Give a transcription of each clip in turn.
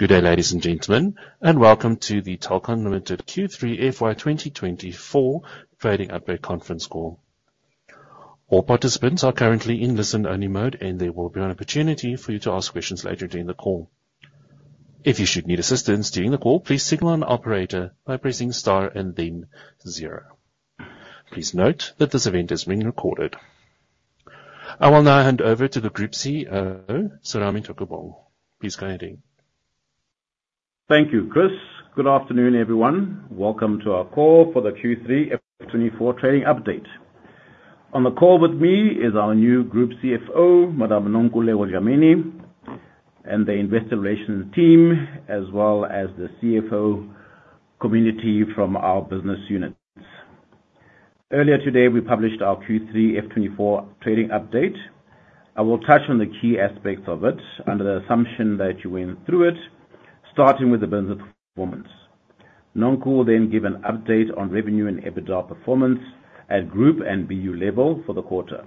Good day, ladies and gentlemen, and welcome to the Telkom Limited Q3 FY 2024 Trading Update Conference Call. All participants are currently in listen-only mode, and there will be an opportunity for you to ask questions later during the call. If you should need assistance during the call, please signal an operator by pressing star and then zero. Please note that this event is being recorded. I will now hand over to the Group CEO, Serame Taukobong. Please go ahead. Thank you, Chris. Good afternoon, everyone. Welcome to our call for the Q3 FY 2024 Trading Update. On the call with me is our new Group CFO, Madame Nonkululeko Dlamini, and the Investor Relations team, as well as the CFO community from our business units. Earlier today, we published our Q3 FY 2024 Trading Update. I will touch on the key aspects of it under the assumption that you went through it, starting with the business performance. Nonku will then give an update on revenue and EBITDA performance at group and BU level for the quarter.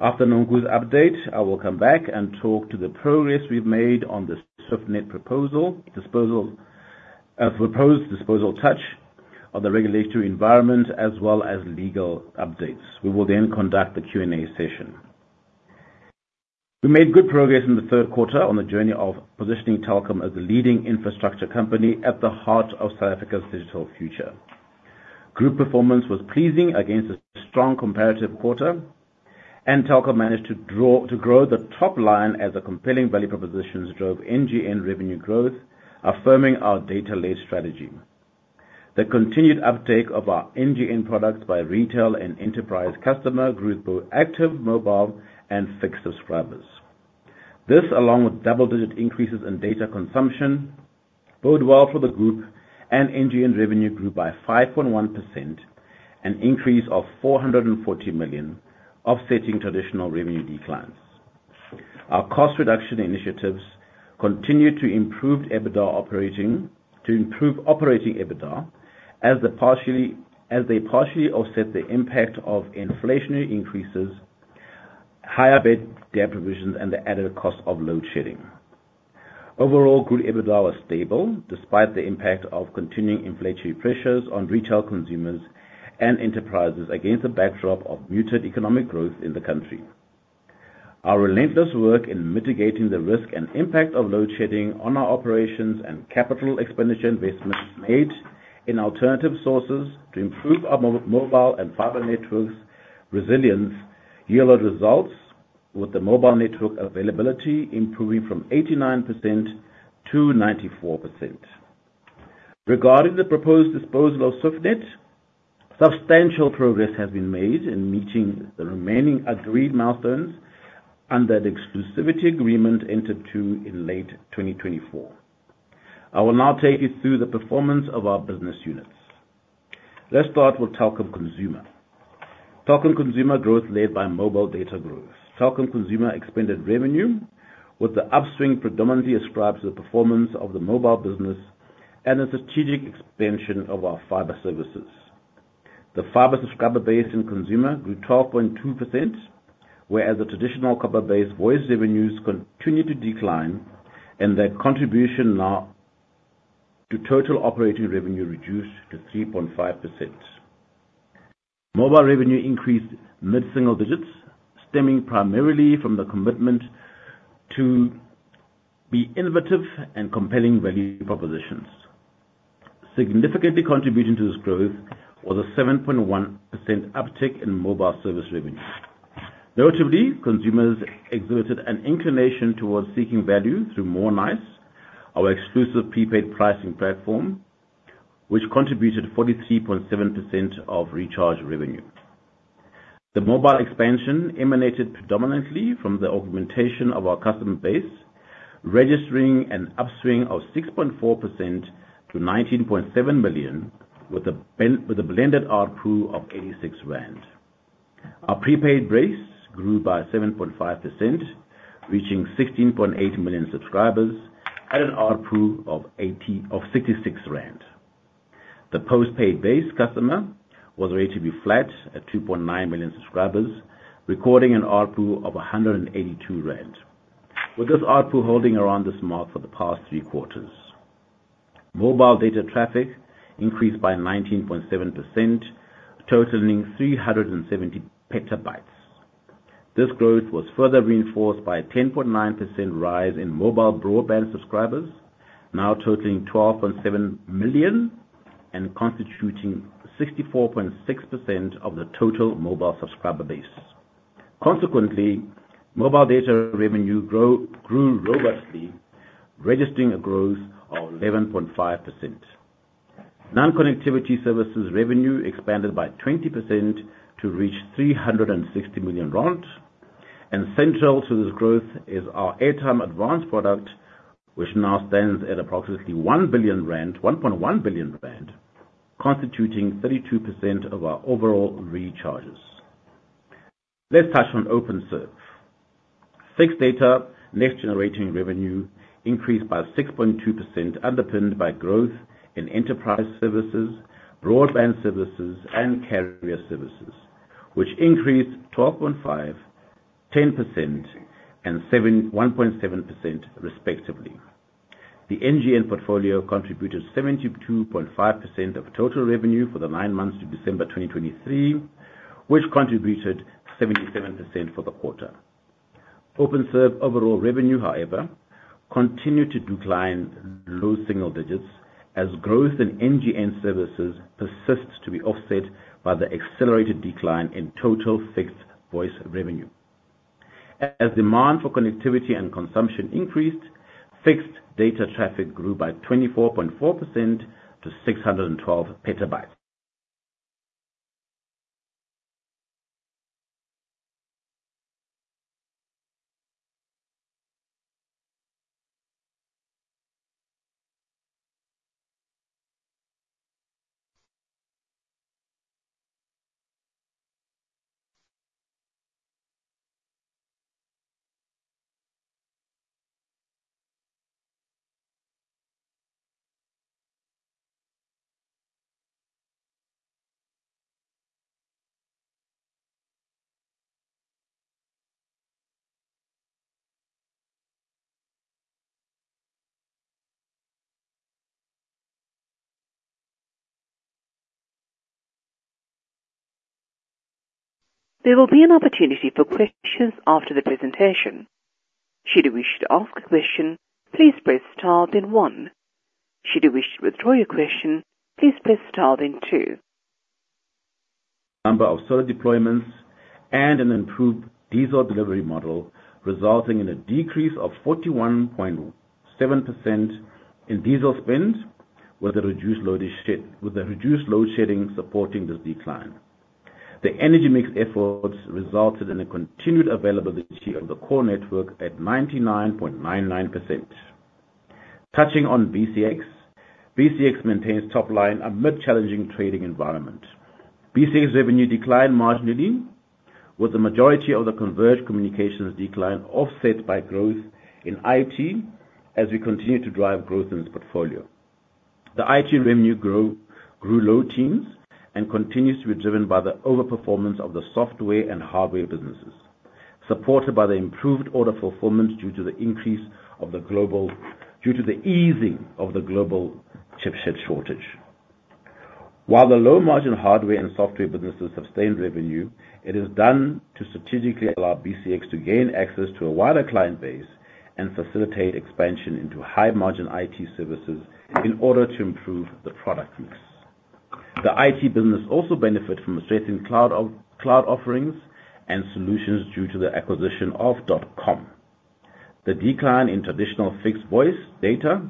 After Nonku's update, I will come back and talk to the progress we've made on the Swiftnet proposal, a proposed disposal touch on the regulatory environment, as well as legal updates. We will then conduct the Q&A session. We made good progress in the third quarter on the journey of positioning Telkom as the leading infrastructure company at the heart of South Africa's digital future. Group performance was pleasing against a strong comparative quarter, and Telkom managed to grow the top line as a compelling value proposition drove NGN revenue growth, affirming our data-led strategy. The continued uptake of our NGN products by retail and enterprise customers grew through active, mobile, and fixed subscribers. This, along with double-digit increases in data consumption, bode well for the group and NGN revenue grew by 5.1%, an increase of 440 million, offsetting traditional revenue declines. Our cost reduction initiatives continued to improve operating EBITDA as they partially offset the impact of inflationary increases, higher debt provisions, and the added cost of load shedding. Overall, group EBITDA was stable despite the impact of continuing inflationary pressures on retail consumers and enterprises against the backdrop of muted economic growth in the country. Our relentless work in mitigating the risk and impact of load shedding on our operations and capital expenditure investments made in alternative sources to improve our mobile and fiber networks' resilience yielded results, with the mobile network availability improving from 89% to 94%. Regarding the proposed disposal of Swiftnet, substantial progress has been made in meeting the remaining agreed milestones under the exclusivity agreement entered into in late 2024. I will now take you through the performance of our business units. Let's start with Telkom Consumer. Telkom Consumer growth led by mobile data growth. Telkom Consumer expanded revenue, with the upswing predominantly ascribed to the performance of the Mobile business and the strategic expansion of our fiber services. The fiber subscriber base in Consumer grew 12.2%, whereas the traditional copper-based voice revenues continued to decline, and their contribution now to total operating revenue reduced to 3.5%. Mobile revenue increased mid-single digits, stemming primarily from the commitment to be innovative and compelling value propositions. Significantly contributing to this growth was a 7.1% uptake in mobile service revenue. Notably, consumers exhibited an inclination towards seeking value through Mo'Nice, our exclusive prepaid pricing platform, which contributed 43.7% of recharge revenue. The mobile expansion emanated predominantly from the augmentation of our customer base, registering an upswing of 6.4% to 19.7 million, with a blended ARPU of 86 rand. Our prepaid base grew by 7.5%, reaching 16.8 million subscribers, at an ARPU of 66 rand. The postpaid base customer was rated to be flat at 2.9 million subscribers, recording an ARPU of 182 rand, with this ARPU holding around this mark for the past three quarters. Mobile data traffic increased by 19.7%, totaling 370 PB. This growth was further reinforced by a 10.9% rise in mobile broadband subscribers, now totaling 12.7 million and constituting 64.6% of the total mobile subscriber base. Consequently, mobile data revenue grew robustly, registering a growth of 11.5%. Non-connectivity services revenue expanded by 20% to reach 360 million rand, and central to this growth is our Airtime Advance product, which now stands at approximately 1.1 billion rand, constituting 32% of our overall recharges. Let's touch on Openserve. Fixed data next-generation revenue increased by 6.2%, underpinned by growth in enterprise services, broadband services, and carrier services, which increased 12.5%, 10%, and 1.7%, respectively. The NGN portfolio contributed 72.5% of total revenue for the nine months to December 2023, which contributed 77% for the quarter. Openserve overall revenue, however, continued to decline low single digits as growth in NGN services persists to be offset by the accelerated decline in total fixed voice revenue. As demand for connectivity and consumption increased, fixed data traffic grew by 24.4% to 612 PB. There will be an opportunity for questions after the presentation. Should you wish to ask a question, please press star then one. Should you wish to withdraw your question, please press star then two. Number of solid deployments and an improved diesel delivery model, resulting in a decrease of 41.7% in diesel spend with a reduced load shedding, supporting this decline. The energy mix efforts resulted in a continued availability of the core network at 99.99%. Touching on BCX, BCX maintains top line amid challenging trading environment. BCX revenue declined marginally, with the majority of the Converged Communications decline offset by growth in IT as we continue to drive growth in this portfolio. The IT revenue grew low teens and continues to be driven by the overperformance of the Software and Hardware businesses, supported by the improved order performance due to the increase of the global chipset shortage. While the low margin Hardware and Software businesses sustained revenue, it is done to strategically allow BCX to gain access to a wider client base and facilitate expansion into high margin IT services in order to improve the product mix. The IT business also benefit from strengthening cloud offerings and solutions due to the acquisition of DotCom. The decline in traditional fixed voice data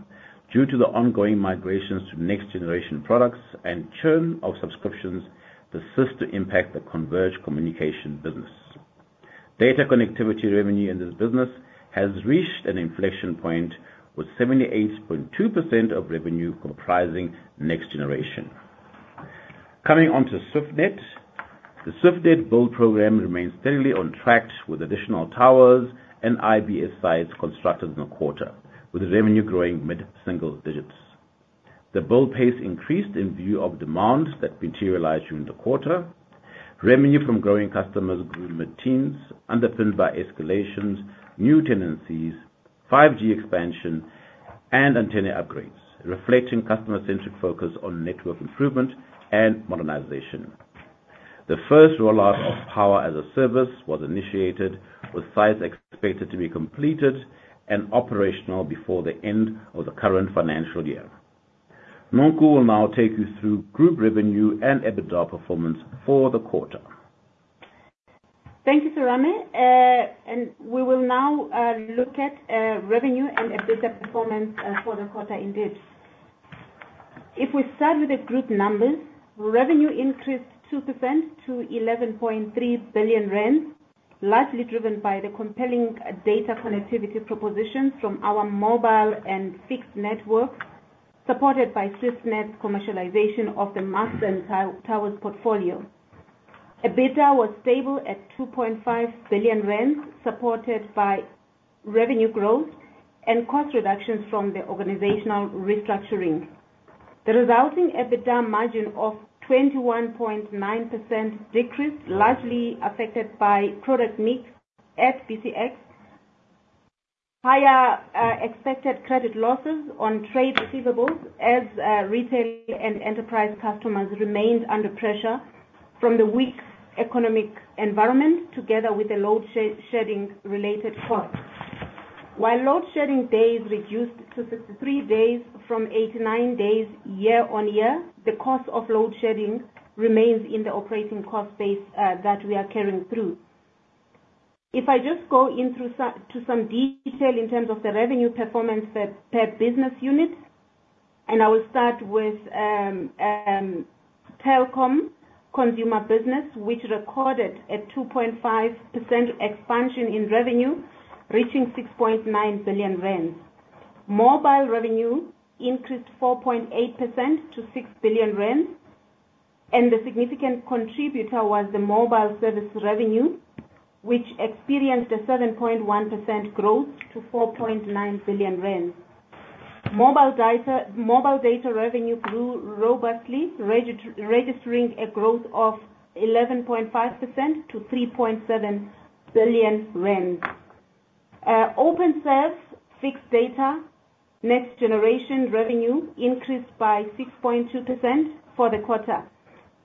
due to the ongoing migrations to next-generation products and churn of subscriptions persists to impact the Converged Communication business. Data connectivity revenue in this business has reached an inflection point with 78.2% of revenue comprising next generation. Coming onto Swiftnet, the Swiftnet build program remains steadily on track with additional towers and IBS sites constructed in the quarter, with revenue growing mid-single digits. The build pace increased in view of demand that materialized during the quarter. Revenue from growing customers grew mid-teens, underpinned by escalations, new tendencies, 5G expansion, and antenna upgrades, reflecting customer-centric focus on network improvement and modernization. The first rollout of Power as a Service was initiated, with sites expected to be completed and operational before the end of the current financial year. Nonku will now take you through group revenue and EBITDA performance for the quarter. Thank you, Serame. We will now look at revenue and EBITDA performance for the quarter in depth. If we start with the group numbers, revenue increased 2% to 11.3 billion rand, largely driven by the compelling data connectivity proposition from our mobile and fixed networks, supported by Swiftnet commercialization of the masts and towers portfolio. EBITDA was stable at 2.5 billion rand, supported by revenue growth and cost reductions from the organizational restructuring. The resulting EBITDA margin of 21.9% decreased, largely affected by product mix at BCX. Higher expected credit losses on trade receivables as retail and enterprise customers remained under pressure from the weak economic environment, together with the load shedding-related costs. While load shedding days reduced to 63 days from 89 days year-on-year, the cost of load shedding remains in the operating cost base that we are carrying through. If I just go into some detail in terms of the revenue performance per business unit, and I will start with Telkom Consumer Business, which recorded a 2.5% expansion in revenue, reaching 6.9 billion rand. Mobile revenue increased 4.8% to 6 billion rand, and the significant contributor was the mobile service revenue, which experienced a 7.1% growth to 4.9 billion rand. Mobile data revenue grew robustly, registering a growth of 11.5% to 3.7 billion. Openserve fixed data next-generation revenue increased by 6.2% for the quarter.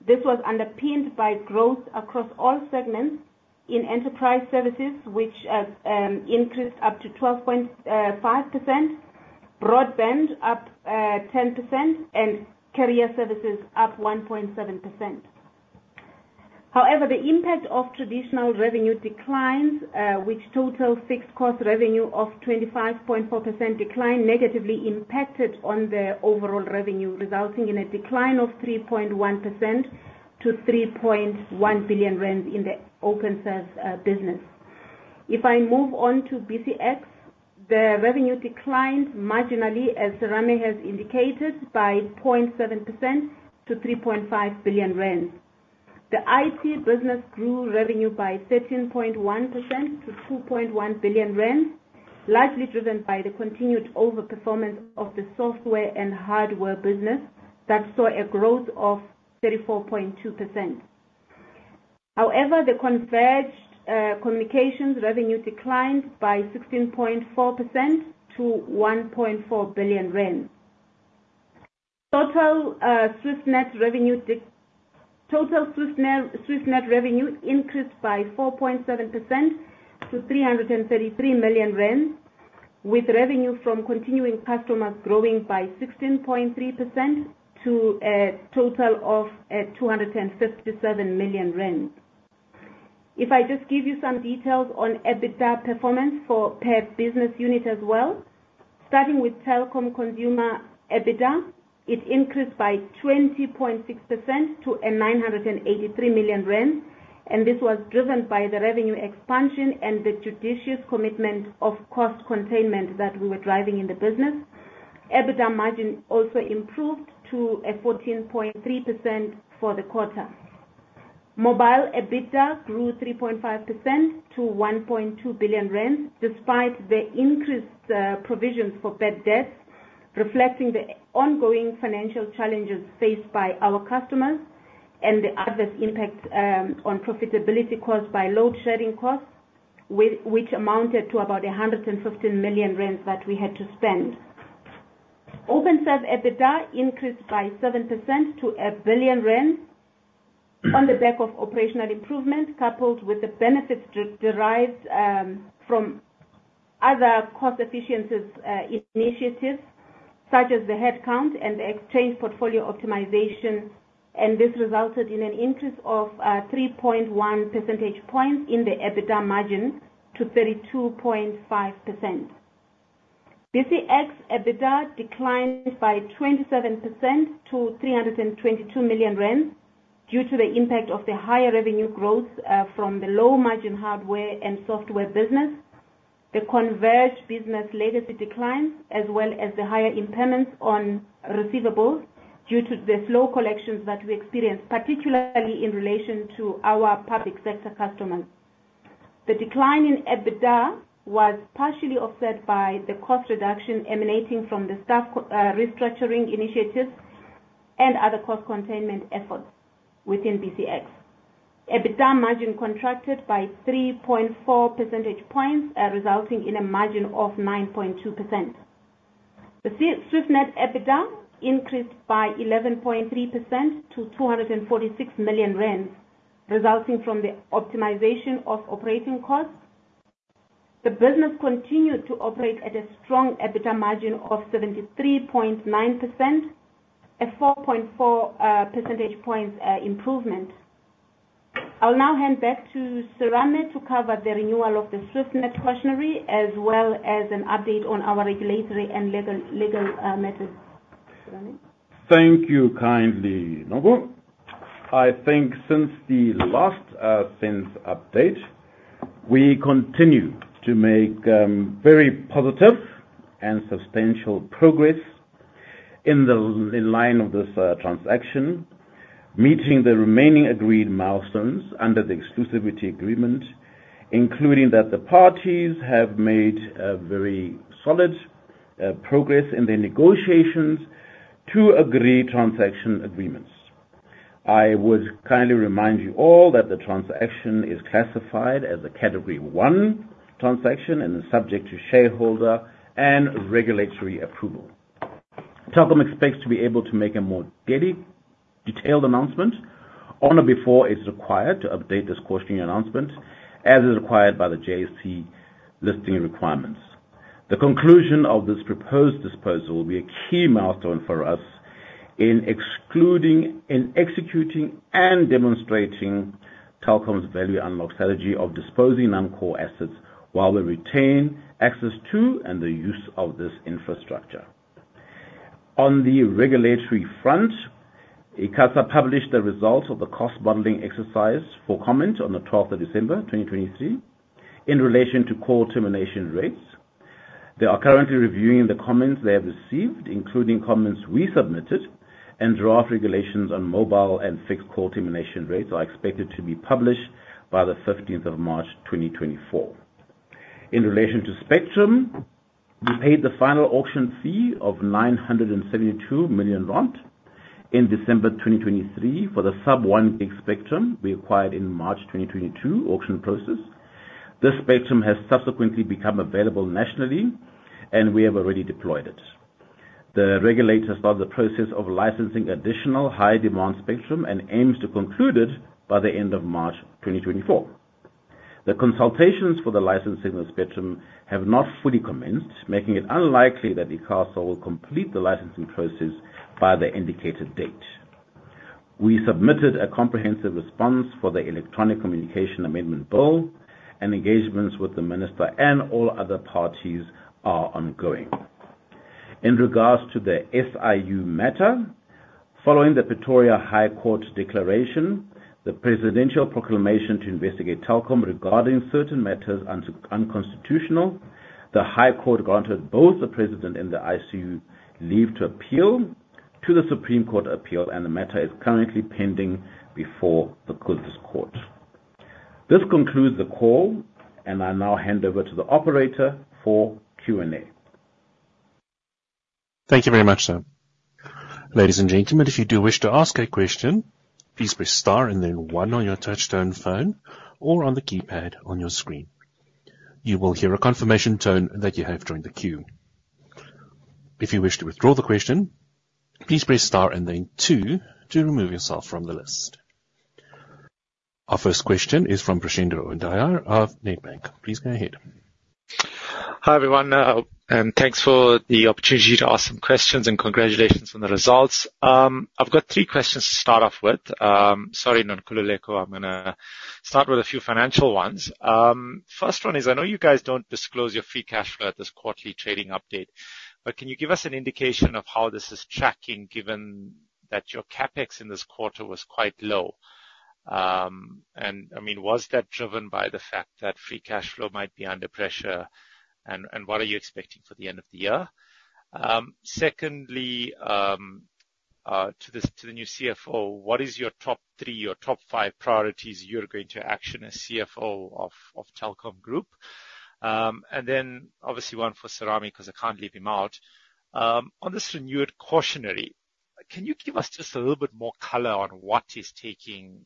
This was underpinned by growth across all segments in enterprise services, which increased up to 12.5%, broadband up 10%, and carrier services up 1.7%. However, the impact of traditional revenue declines, which total fixed cost revenue of 25.4% declined, negatively impacted on the overall revenue, resulting in a decline of 3.1% to 3.1 billion rand in the Openserve business. If I move on to BCX, the revenue declined marginally, as Serame has indicated, by 0.7% to 3.5 billion rand. The IT business grew revenue by 13.1% to 2.1 billion rand, largely driven by the continued overperformance of the Software and Hardware business that saw a growth of 34.2%. However, the Converged Communications revenue declined by 16.4% to ZAR 1.4 billion. Total Swiftnet revenue increased by 4.7% to 333 million rand, with revenue from continuing customers growing by 16.3% to a total of 257 million rand. If I just give you some details on EBITDA performance per business unit as well, starting with Telkom Consumer EBITDA, it increased by 20.6% to 983 million rand, and this was driven by the revenue expansion and the judicious commitment of cost containment that we were driving in the business. EBITDA margin also improved to 14.3% for the quarter. Mobile EBITDA grew 3.5% to 1.2 billion rand, despite the increased provisions for bad debts, reflecting the ongoing financial challenges faced by our customers and the adverse impact on profitability caused by load shedding costs, which amounted to about 115 million rand that we had to spend. Openserve EBITDA increased by 7% to 1 billion rand on the back of operational improvement, coupled with the benefits derived from other cost efficiency initiatives such as the headcount and the exchange portfolio optimization, and this resulted in an increase of 3.1 percentage points in the EBITDA margin to 32.5%. BCX EBITDA declined by 27% to 322 million rand due to the impact of the higher revenue growth from the low margin Hardware and Software business, the Converged business legacy declines, as well as the higher impairments on receivables due to the slow collections that we experienced, particularly in relation to our public sector customers. The decline in EBITDA was partially offset by the cost reduction emanating from the staff restructuring initiatives and other cost containment efforts within BCX. EBITDA margin contracted by 3.4 percentage points, resulting in a margin of 9.2%. The Swiftnet EBITDA increased by 11.3% to 246 million rand, resulting from the optimization of operating costs. The business continued to operate at a strong EBITDA margin of 73.9%, a 4.4 percentage point improvement. I will now hand back to Serame to cover the renewal of the Swiftnet acquisition, as well as an update on our regulatory and legal matters. Thank you kindly, Nonku. I think since the last sales update, we continue to make very positive and substantial progress in the line of this transaction, meeting the remaining agreed milestones under the exclusivity agreement, including that the parties have made very solid progress in their negotiations to agree transaction agreements. I would kindly remind you all that the transaction is classified as a category one transaction and is subject to shareholder and regulatory approval. Telkom expects to be able to make a more detailed announcement on or before it's required to update this quarterly announcement, as is required by the JSE Listing Requirements. The conclusion of this proposed disposal will be a key milestone for us in excluding, executing, and demonstrating Telkom's value unlock strategy of disposing non-core assets while we retain access to and the use of this infrastructure. On the regulatory front, ICASA published the results of the cost modeling exercise for comment on the 12th of December, 2023, in relation to call termination rates. They are currently reviewing the comments they have received, including comments we submitted, and draft regulations on mobile and fixed call termination rates are expected to be published by the 15th of March, 2024. In relation to spectrum, we paid the final auction fee of 972 million rand in December, 2023, for the sub-1 GHz spectrum we acquired in March, 2022, auction process. This spectrum has subsequently become available nationally, and we have already deployed it. The regulator started the process of licensing additional high demand spectrum and aims to conclude it by the end of March, 2024. The consultations for the licensing of the spectrum have not fully commenced, making it unlikely that ICASA will complete the licensing process by the indicated date. We submitted a comprehensive response for the Electronic Communications Amendment Bill, and engagements with the minister and all other parties are ongoing. In regards to the SIU matter, following the Pretoria High Court declaration, the presidential proclamation to investigate Telkom regarding certain matters unconstitutional, the High Court granted both the president and the SIU leave to appeal to the Supreme Court of Appeal, and the matter is currently pending before the court of this court. This concludes the call, and I now hand over to the operator for Q&A. Thank you very much, sir. Ladies and gentlemen, if you do wish to ask a question, please press star and then one on your touch-tone phone or on the keypad on your screen. You will hear a confirmation tone that you have joined the queue. If you wish to withdraw the question, please press star and then two to remove yourself from the list. Our first question is from Preshendran Odayar of Nedbank. Please go ahead. Hi, everyone. Thanks for the opportunity to ask some questions, and congratulations on the results. I've got three questions to start off with. Sorry, Nonkululeko, I'm going to start with a few financial ones. First one is, I know you guys don't disclose your free cash flow at this quarterly trading update, but can you give us an indication of how this is tracking, given that your CapEx in this quarter was quite low? And, I mean, was that driven by the fact that free cash flow might be under pressure, and what are you expecting for the end of the year? Secondly, to the new CFO, what is your top three, your top five priorities you're going to action as CFO of Telkom Group? And then, obviously, one for Serame because I can't leave him out. On this renewed cautionary, can you give us just a little bit more color on what is taking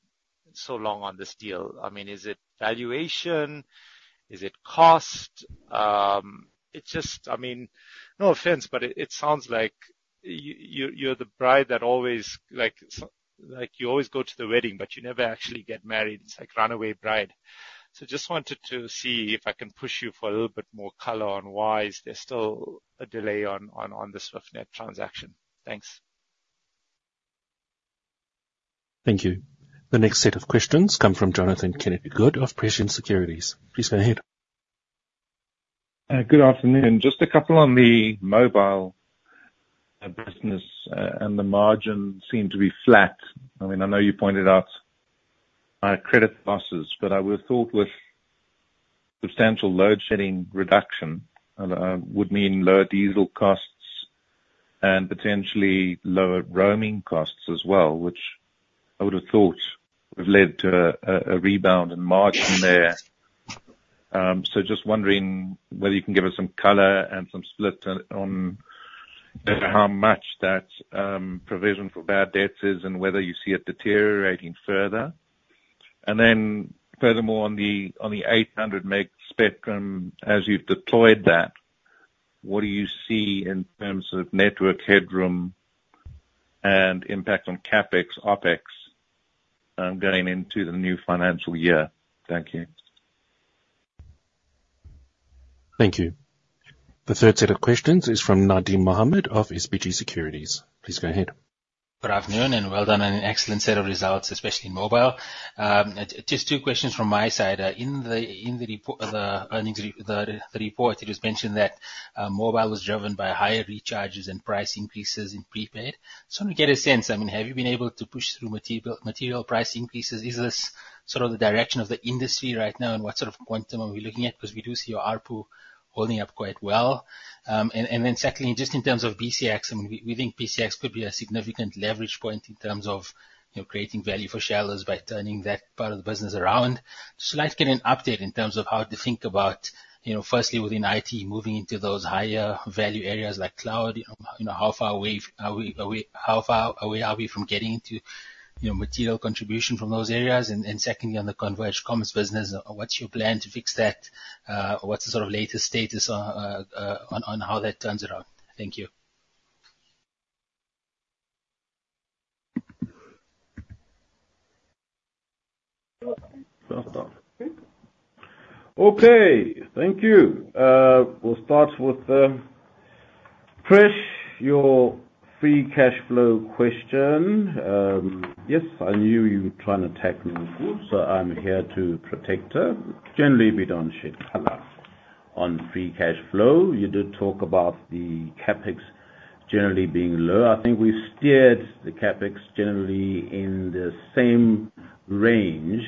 so long on this deal? I mean, is it valuation? Is it cost? It's just, I mean, no offense, but it sounds like you're the bride that always you always go to the wedding, but you never actually get married. It's like runaway bride. So just wanted to see if I can push you for a little bit more color on why there's still a delay on the Swiftnet transaction. Thanks. Thank you. The next set of questions come from Jonathan Kennedy-Good of Prescient Securities. Please go ahead. Good afternoon. Just a couple on the Mobile business, and the margin seemed to be flat. I mean, I know you pointed out credit losses, but I would have thought with substantial load shedding reduction would mean lower diesel costs and potentially lower roaming costs as well, which I would have thought would have led to a rebound in margin there. So just wondering whether you can give us some color and some split on how much that provision for bad debts is and whether you see it deteriorating further. And then, furthermore, on the 800 meg spectrum, as you've deployed that, what do you see in terms of network headroom and impact on CapEx, OpEx going into the new financial year? Thank you. Thank you. The third set of questions is from Nadim Mohamed of SBG Securities. Please go ahead. Good afternoon and well done on an excellent set of results, especially in mobile. Just two questions from my side. In the earnings report, it was mentioned that mobile was driven by higher recharges and price increases in prepaid. So I want to get a sense. I mean, have you been able to push through material price increases? Is this sort of the direction of the industry right now, and what sort of quantum are we looking at? Because we do see your ARPU holding up quite well. And then secondly, just in terms of BCX, I mean, we think BCX could be a significant leverage point in terms of creating value for shareholders by turning that part of the business around. Just to get an update in terms of how to think about, firstly, within IT, moving into those higher value areas like cloud, how far away are we from getting into material contribution from those areas? And secondly, on the Converged Comms business, what's your plan to fix that? What's the sort of latest status on how that turns around? Thank you. Okay. Thank you. We'll start with Prash, your free cash flow question. Yes, I knew you were trying to tackle Nonku, so I'm here to protect her. Generally, we don't shed color on free cash flow. You did talk about the CapEx generally being low. I think we steered the CapEx generally in the same range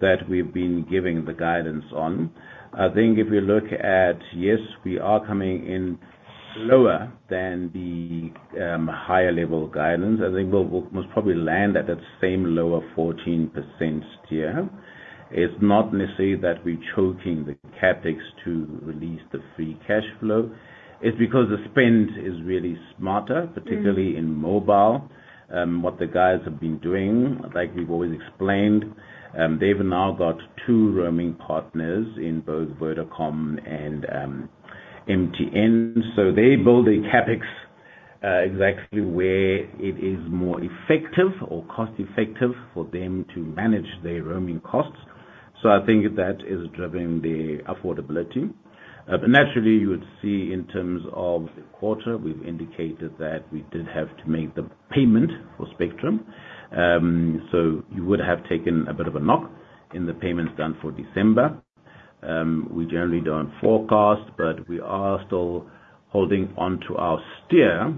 that we've been giving the guidance on. I think if we look at, yes, we are coming in lower than the higher-level guidance. I think we'll most probably land at that same lower 14% tier. It's not necessarily that we're choking the CapEx to release the free cash flow. It's because the spend is really smarter, particularly in mobile, what the guys have been doing. Like we've always explained, they've now got two roaming partners in both Vodacom and MTN. So they build a CapEx exactly where it is more effective or cost-effective for them to manage their roaming costs. So I think that is driving the affordability. But naturally, you would see in terms of the quarter. We've indicated that we did have to make the payment for spectrum. So you would have taken a bit of a knock in the payments done for December. We generally don't forecast, but we are still holding onto our steer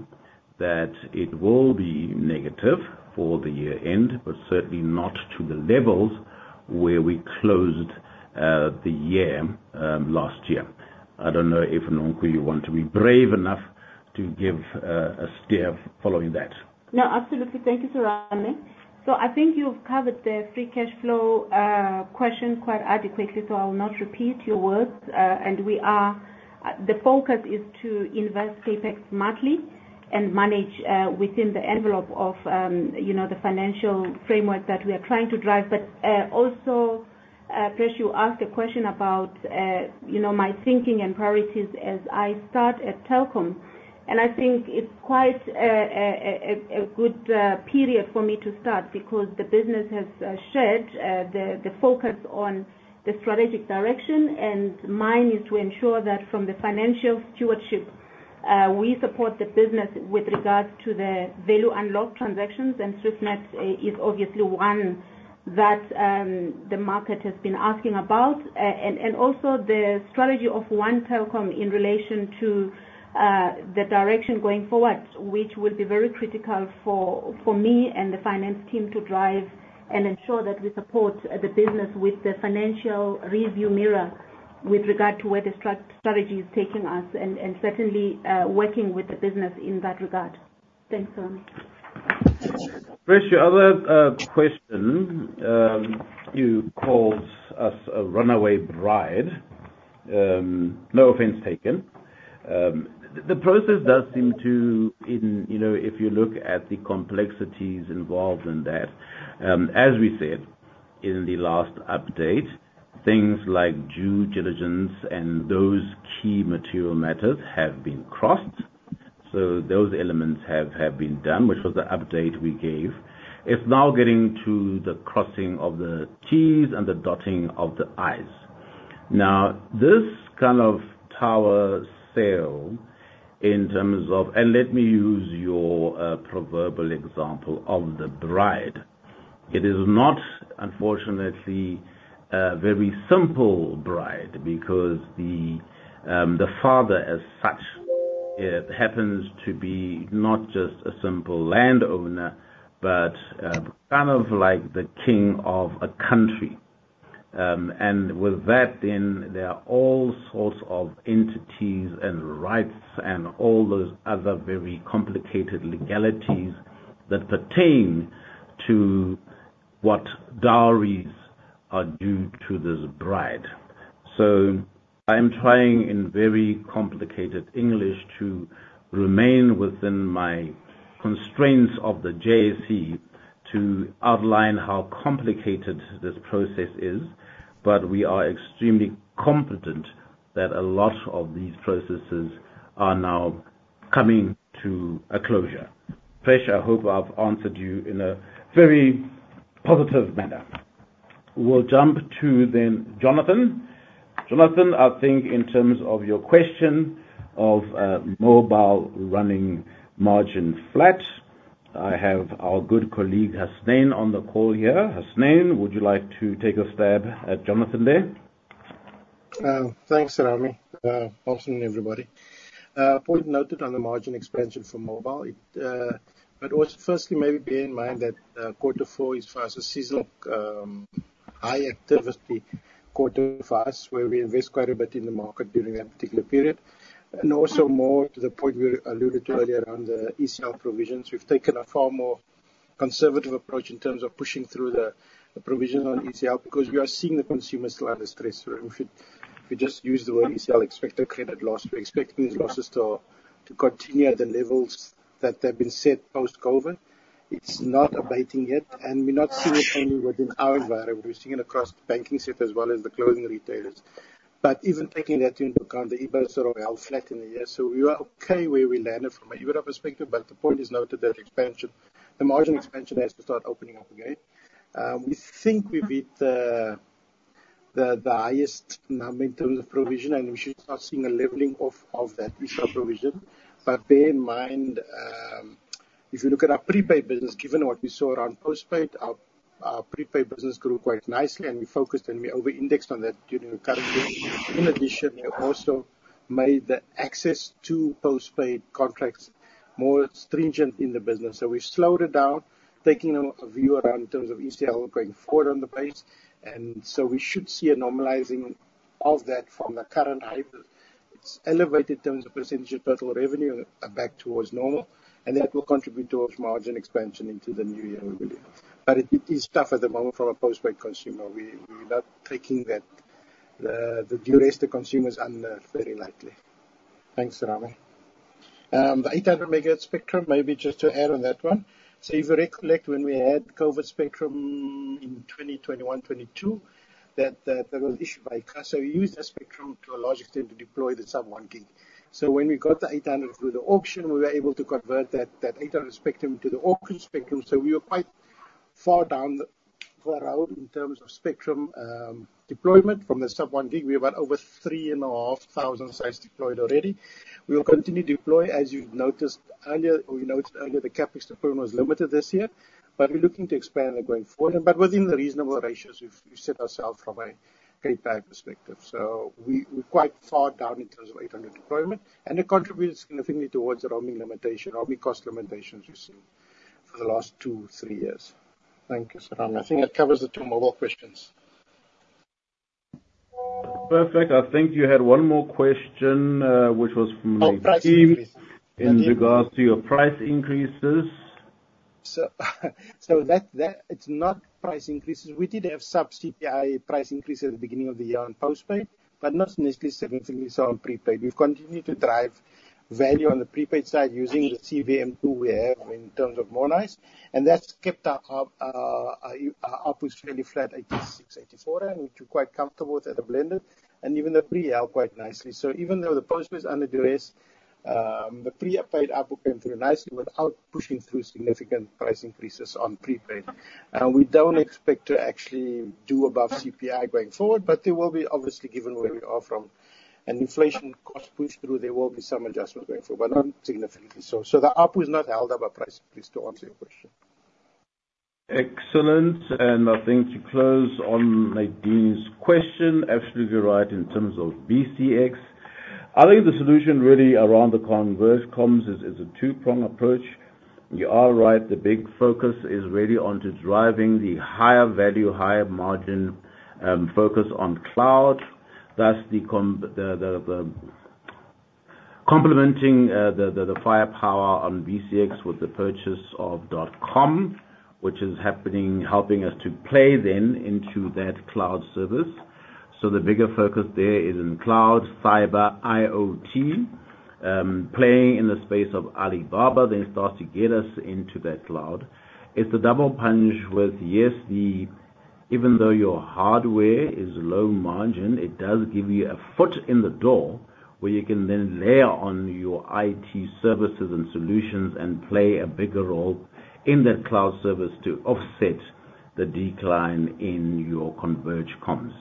that it will be negative for the year-end, but certainly not to the levels where we closed the year last year. I don't know if, Nonku, you want to be brave enough to give a steer following that. No, absolutely. Thank you, Serame. So I think you've covered the free cash flow question quite adequately, so I will not repeat your words. The focus is to invest CapEx smartly and manage within the envelope of the financial framework that we are trying to drive. But also, Prash, you asked a question about my thinking and priorities as I start at Telkom. I think it's quite a good period for me to start because the business has shared the focus on the strategic direction, and mine is to ensure that from the financial stewardship, we support the business with regards to the value unlock transactions. Swiftnet is obviously one that the market has been asking about. Also, the strategy of ONE Telkom in relation to the direction going forward, which will be very critical for me and the finance team to drive and ensure that we support the business with the financial review mirror with regard to where the strategy is taking us and certainly working with the business in that regard. Thanks, Serame. Prash, your other question, you called us a runaway bride. No offense taken. The process does seem to, if you look at the complexities involved in that, as we said in the last update, things like due diligence and those key material matters have been crossed. So those elements have been done, which was the update we gave. It's now getting to the crossing of the T's and the dotting of the I's. Now, this kind of tower sale in terms of, and let me use your proverbial example of the bride. It is not, unfortunately, a very simple bride because the father as such happens to be not just a simple landowner, but kind of like the king of a country. And with that, then there are all sorts of entities and rights and all those other very complicated legalities that pertain to what dowries are due to this bride. So I am trying in very complicated English to remain within my constraints of the JSE to outline how complicated this process is, but we are extremely confident that a lot of these processes are now coming to a closure. Presh, I hope I've answered you in a very positive manner. We'll jump to then Jonathan. Jonathan, I think in terms of your question of mobile running margin flat, I have our good colleague Hasnain on the call here. Hasnain, would you like to take a stab at Jonathan there? Thanks, Serame. Awesome, everybody. Point noted on the margin expansion for mobile. But also, firstly, maybe bear in mind that quarter four is far as a seasonal high activity quarter for us where we invest quite a bit in the market during that particular period. And also more to the point we alluded to earlier on the ECL provisions, we've taken a far more conservative approach in terms of pushing through the provisions on ECL because we are seeing the consumer still under stress. If we just use the word ECL, expected credit loss. We're expecting these losses to continue at the levels that they've been set post-COVID. It's not abating yet, and we're not seeing it only within our environment. We're seeing it across the banking sector as well as the clothing retailers. But even taking that into account, the EBITDA sort of held flat in the year. So we were okay where we landed from an EBITDA perspective, but the point is noted that the margin expansion has to start opening up again. We think we've hit the highest number in terms of provision, and we should start seeing a leveling off of that ECL provision. But bear in mind, if you look at our Prepaid business, given what we saw around postpaid, our Prepaid business grew quite nicely, and we focused and we over-indexed on that during the current year. In addition, we also made the access to postpaid contracts more stringent in the business. So we've slowed it down, taking a view around in terms of ECL going forward on the base. And so we should see a normalizing of that from the current hype. It's elevated in terms of percentage of total revenue back towards normal, and that will contribute towards margin expansion into the new year, we believe. But it is tough at the moment from a postpaid consumer. We're not taking the dual-aster consumers under very lightly. Thanks, Serame. The 800 meg spectrum, maybe just to add on that one. So if you recollect when we had COVID spectrum in 2021, 2022, that was issued by ICASA. We used that spectrum to a large extent to deploy the sub-1 gig. So when we got the 800 through the auction, we were able to convert that 800 spectrum into the auction spectrum. So we were quite far down the road in terms of spectrum deployment from the sub-1 gig. We're about over 3,500 sites deployed already. We will continue to deploy. As you've noticed earlier, we noted earlier the CapEx deployment was limited this year, but we're looking to expand it going forward. But within the reasonable ratios, we've set ourselves from a CapEx perspective. So we're quite far down in terms of 800 deployment, and it contributes significantly towards the roaming limitation, roaming cost limitations we've seen for the last two to three years. Thank you, Serame. I think that covers the two mobile questions. Perfect. I think you had one more question, which was from Nadim in regards to your price increases. So it's not price increases. We did have sub-CPI price increases at the beginning of the year on postpaid, but not necessarily significantly so on prepaid. We've continued to drive value on the prepaid side using the CVM tool we have in terms of Mo'Nice, and that's kept our ARPU fairly flat, 86, 84, which we're quite comfortable with at a blended, and even the prepaid quite nicely. So even though the postpaid's under downward pressure, the prepaid ARPU came through nicely without pushing through significant price increases on prepaid. We don't expect to actually do above CPI going forward, but there will be, obviously, given where we are from an inflation cost push through, there will be some adjustments going forward, but not significantly so. So the ARPU is not held up by price increase, to answer your question. Excellent. And I think to close on Nadim's question, absolutely right in terms of BCX. I think the solution really around the Converged Comms is a two-pronged approach. You are right. The big focus is really onto driving the higher value, higher margin focus on cloud. Thus, complementing the firepower on BCX with the purchase of DotCom, which is helping us to play then into that cloud service. So the bigger focus there is in Cloud, Cyber, IoT. Playing in the space of Alibaba, then start to get us into that cloud. It's a double punch with, yes, even though your hardware is low margin, it does give you a foot in the door where you can then layer on your IT services and solutions and play a bigger role in that cloud service to offset the decline in your Converged Comms.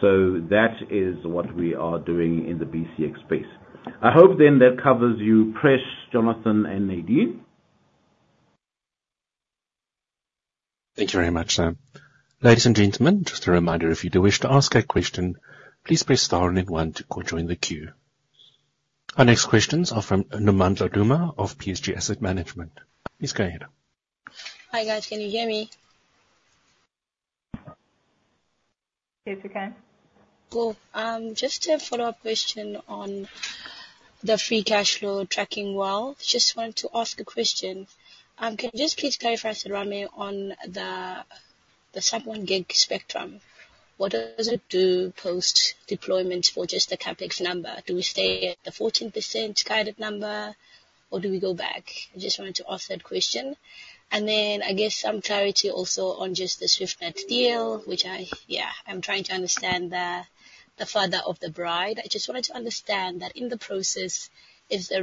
So that is what we are doing in the BCX space. I hope then that covers you, Prash, Jonathan, and Nadim. Thank you very much, Serame. Ladies and gentlemen, just a reminder, if you do wish to ask a question, please press star and then one to join the queue. Our next questions are from Nomandla Duma of PSG Asset Management. Please go ahead. Hi, guys. Can you hear me? Yes, we can. Cool. Just a follow-up question on the free cash flow tracking well. Just wanted to ask a question. Can you just please clarify, Serame, on the sub-1 GHz spectrum? What does it do post-deployment for just the CapEx number? Do we stay at the 14% guided number, or do we go back? I just wanted to ask that question. And then I guess some clarity also on just the Swiftnet deal, which, yeah, I'm trying to understand the father of the bride. I just wanted to understand that in the process, is the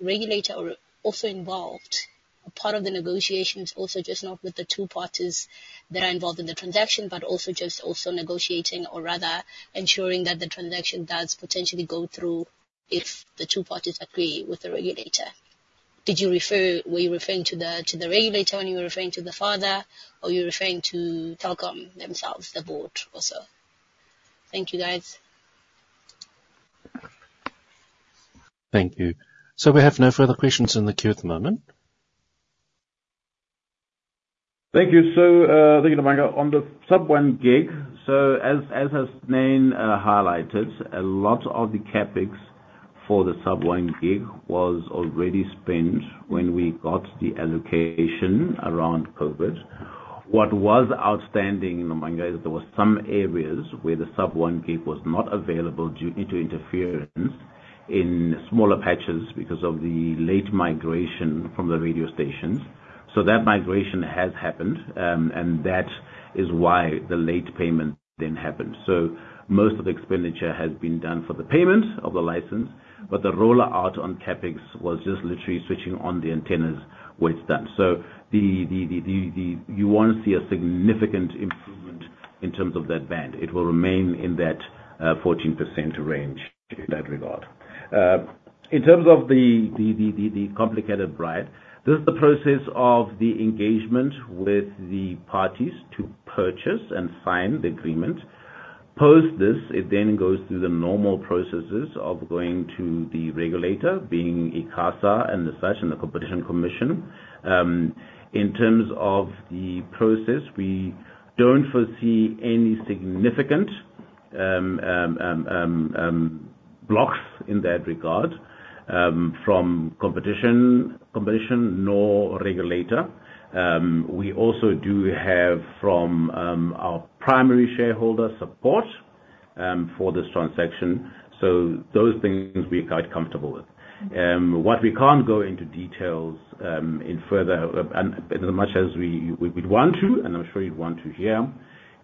regulator also involved? Part of the negotiations also just not with the two parties that are involved in the transaction, but also just also negotiating or rather ensuring that the transaction does potentially go through if the two parties agree with the regulator. Were you referring to the regulator when you were referring to the latter, or were you referring to Telkom themselves, the board or so? Thank you, guys. Thank you. So we have no further questions in the queue at the moment. Thank you. So, thank you, Nomandla. On the sub-1 gig, so as Hasnain highlighted, a lot of the CapEx for the sub-1 gig was already spent when we got the allocation around COVID. What was outstanding, Nomandla, is there were some areas where the sub-1 gig was not available due to interference in smaller patches because of the late migration from the radio stations. So that migration has happened, and that is why the late payment then happened. So most of the expenditure has been done for the payment of the license, but the rollout on CapEx was just literally switching on the antennas where it's done. So you won't see a significant improvement in terms of that band. It will remain in that 14% range in that regard. In terms of the complicated bid, this is the process of the engagement with the parties to purchase and sign the agreement. Post this, it then goes through the normal processes of going to the regulator, being ICASA and as such and the Competition Commission. In terms of the process, we don't foresee any significant blocks in that regard from competition nor regulator. We also do have from our primary shareholder support for this transaction. So those things, we're quite comfortable with. What we can't go into details in further as much as we'd want to, and I'm sure you'd want to hear,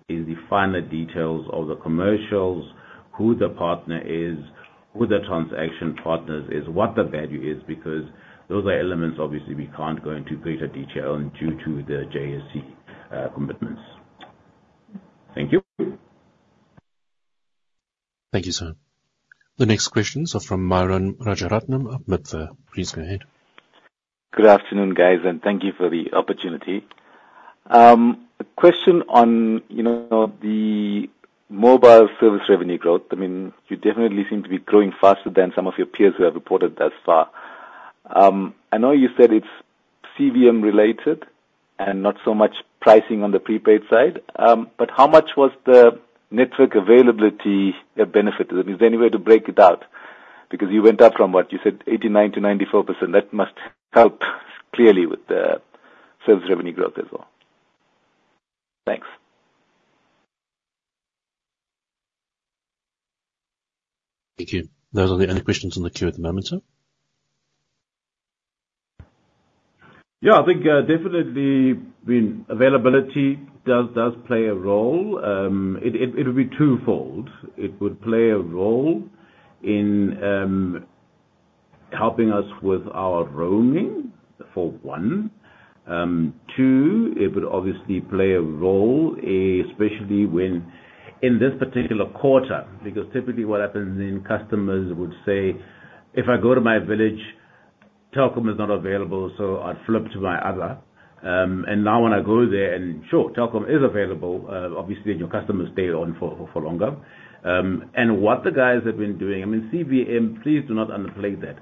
is the finer details of the commercials, who the partner is, who the transaction partners is, what the value is because those are elements, obviously, we can't go into greater detail due to the JSE commitments. Thank you. Thank you, Serame. The next questions are from Myuran Rajaratnam at MIBFA. Please go ahead. Good afternoon, guys, and thank you for the opportunity. A question on the mobile service revenue growth. I mean, you definitely seem to be growing faster than some of your peers who have reported thus far. I know you said it's CVM-related and not so much pricing on the prepaid side, but how much was the network availability benefit? I mean, is there any way to break it out? Because you went up from, what? You said 89%-94%. That must help clearly with the sales revenue growth as well. Thanks. Thank you. Are there any questions on the queue at the moment, sir? Yeah. I think definitely, I mean, availability does play a role. It would be twofold. It would play a role in helping us with our roaming, for one. Two, it would obviously play a role, especially in this particular quarter because typically what happens is then customers would say, "If I go to my village, Telkom is not available, so I'd flip to my other." And now when I go there and sure, Telkom is available, obviously, and your customers stay on for longer. And what the guys have been doing I mean, CVM, please do not underplay that.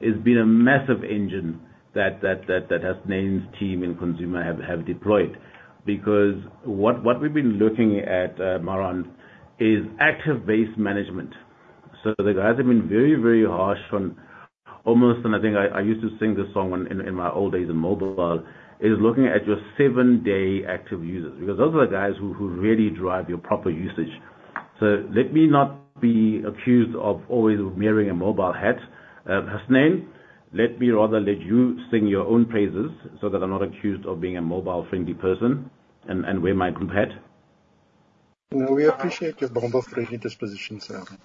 It's been a massive engine that Hasnain's team and Consumer have deployed because what we've been looking at, Myuran, is active base management. So, the guys have been very, very harsh on almost, and I think I used to sing this song in my old days on mobile is looking at your seven-day active users because those are the guys who really drive your proper usage. So, let me not be accused of always wearing a mobile hat, Hasnain. Let me rather let you sing your own praises so that I'm not accused of being a mobile-friendly person and wear my group hat. No, we appreciate your beyond the present disposition, Serame.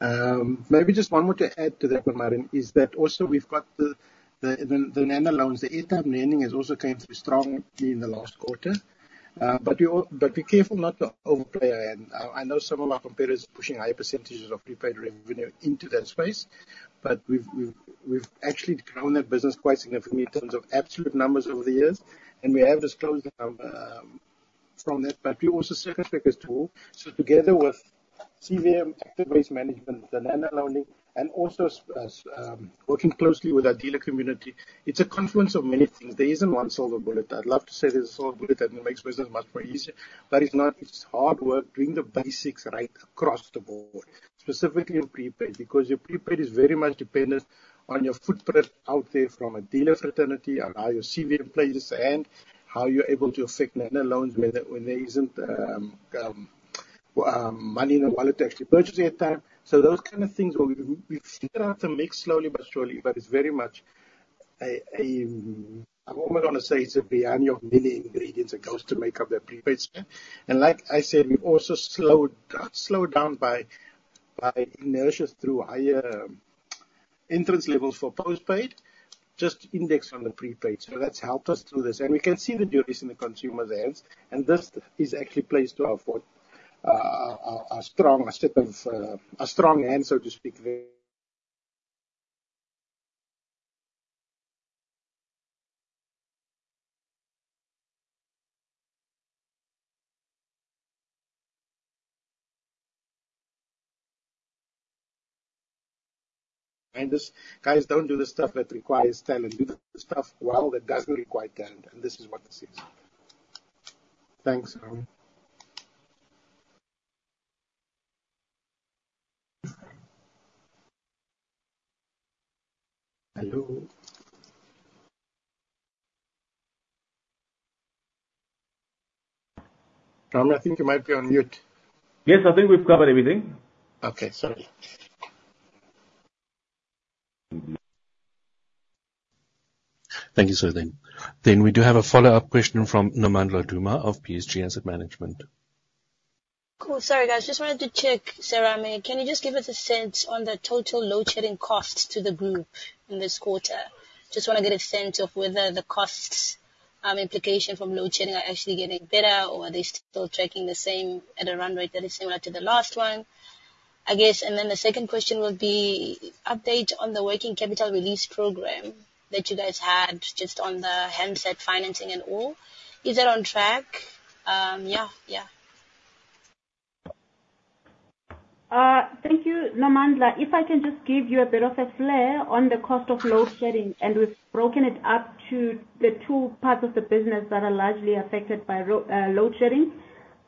Maybe just one more to add to that one, Myuran, is that also we've got the Nano loans. The Airtime lending has also come through strongly in the last quarter. But be careful not to overplay our hand. I know some of our competitors are pushing high percentages of prepaid revenue into that space, but we've actually grown that business quite significantly in terms of absolute numbers over the years. And we have disclosed the number from that, but we're also circumspect too. So together with CVM, active base management, the Nano loaning, and also working closely with our dealer community, it's a confluence of many things. There isn't one silver bullet. I'd love to say there's a solid bullet that makes business much more easier, but it's hard work doing the basics right across the board, specifically in prepaid because your prepaid is very much dependent on your footprint out there from a dealer fraternity, on how your CVM plays, and how you're able to affect Nano loans when there isn't money in the wallet to actually purchase airtime. So those kind of things where we've figured out the mix slowly but surely, but it's very much a I'm almost going to say it's a brownie of many ingredients that goes to make up that prepaid spend. And like I said, we've also slowed down by inertia through higher entrance levels for postpaid, just indexed on the prepaid. So that's helped us through this. We can see the dual SIM in the consumer's hands, and this actually plays to our strong suit and a strong hand, so to speak. These guys don't do the stuff that requires talent. Do the stuff well that doesn't require talent, and this is what this is. Thanks, Serame. Hello. Serame, I think you might be on mute. Yes. I think we've covered everything. Okay. Sorry. Thank you, sir. We do have a follow-up question from Nomandla Duma of PSG Asset Management. Cool. Sorry, guys. Just wanted to check, Serame. Can you just give us a sense on the total load shedding costs to the group in this quarter? Just want to get a sense of whether the cost implication from load shedding are actually getting better, or are they still tracking the same at a run rate that is similar to the last one, I guess. And then the second question would be update on the working capital release program that you guys had just on the handset financing and all. Is that on track? Yeah. Yeah. Thank you, Nomandla. If I can just give you a bit of a flavor on the cost of load-shedding, and we've broken it up to the two parts of the business that are largely affected by load-shedding.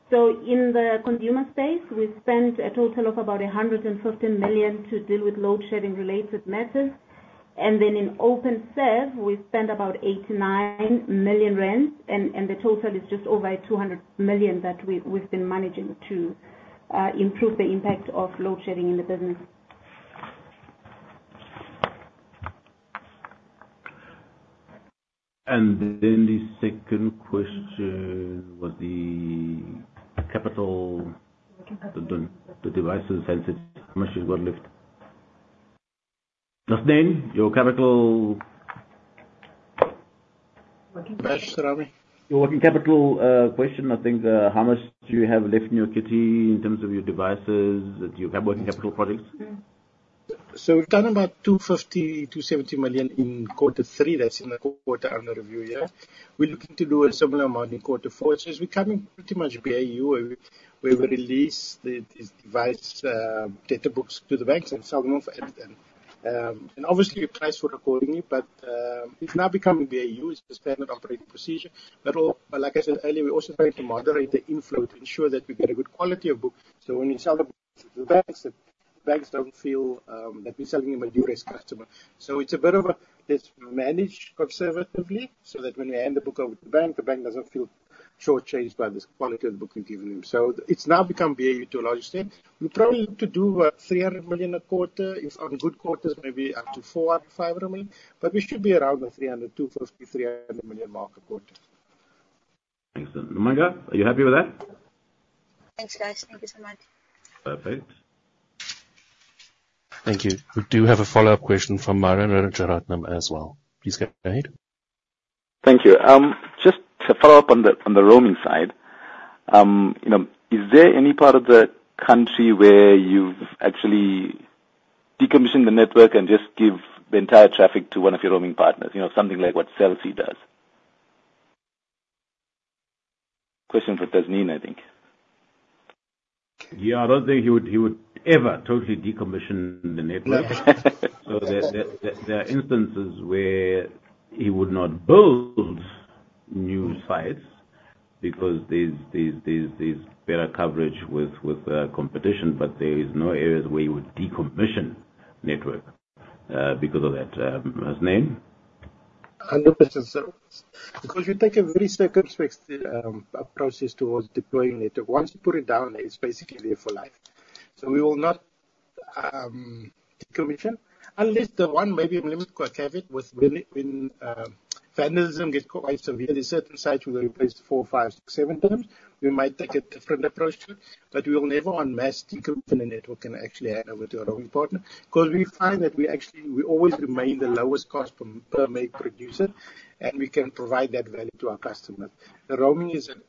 So in the consumer space, we spend a total of about 115 million to deal with load-shedding-related matters. And then in Openserve, we spend about 89 million rand, and the total is just over 200 million that we've been managing to improve the impact of load-shedding in the business. The second question was the capital. Working capital. The devices handset, how much you've got left. Hasnain, your capital. Prash, Serame. Your working capital question, I think. How much do you have left in your kitty in terms of your devices, your working capital projects? So we've done about 250 million-270 million in quarter three. That's in the quarter under review, yeah? We're looking to do a similar amount in quarter four. So it's becoming pretty much BAU where we release these device data books to the banks and sell them off. And obviously, your price will accordingly, but it's now becoming BAU. It's a standard operating procedure. But like I said earlier, we're also trying to moderate the inflow to ensure that we get a good quality of book. So when we sell the books to the banks, the banks don't feel that we're selling them a duress customer. So it's a bit of a let's manage conservatively so that when we hand the book over to the bank, the bank doesn't feel shortchanged by this quality of the book we've given them. So it's now become BAU to a large extent. We probably look to do 300 million a quarter. If on good quarters, maybe up to 400 million-500 million. But we should be around the 300 million, 250 million, 300 million mark a quarter. Thanks, sir. Nomandla, are you happy with that? Thanks, guys. Thank you so much. Perfect. Thank you. We do have a follow-up question from Myuran Rajaratnam as well. Please go ahead. Thank you. Just to follow up on the roaming side, is there any part of the country where you've actually decommissioned the network and just give the entire traffic to one of your roaming partners, something like what Cell C does? Question for Hasnain, I think. Yeah. I don't think he would ever totally decommission the network. So there are instances where he would not build new sites because there's better coverage with competition, but there are no areas where he would decommission network because of that, Hasnain? 100%, sir. Because we take a very circumspect approach towards deploying it. Once you put it down, it's basically there for life. So we will not decommission unless the one maybe I'm limited to a caveat with when vandalism gets quite severe, there are certain sites we will replace 4x, 5x, 6x, 7x. We might take a different approach to it, but we will never embark on mass decommissioning network and actually hand over to a roaming partner because we find that we always remain the lowest cost per meg producer, and we can provide that value to our customers. The roaming is an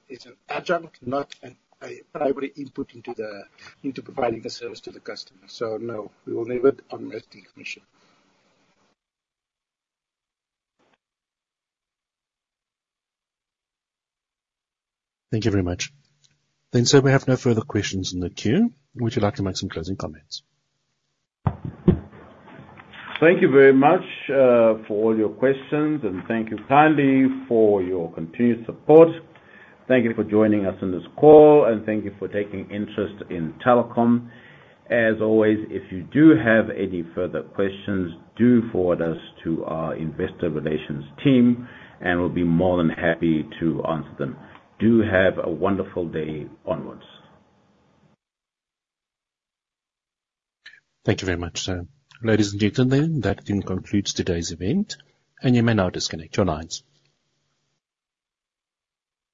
adjunct, not a primary input into providing the service to the customer. So no, we will never embark on mass decommissioning. Thank you very much. Then, sir, we have no further questions in the queue. Would you like to make some closing comments? Thank you very much for all your questions, and thank you kindly for your continued support. Thank you for joining us in this call, and thank you for taking interest in Telkom. As always, if you do have any further questions, do forward us to our investor relations team, and we'll be more than happy to answer them. Do have a wonderful day onwards. Thank you very much, sir. Ladies and gentlemen, that concludes today's event, and you may now disconnect your lines.